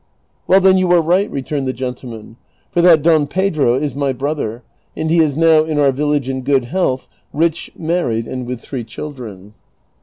" Well then, you are right," returned the gentleman, " for that Don Pedro is my brother, and he is now in our village in good health, rich, married, and with three children.''